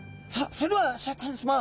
それではシャーク香音さま。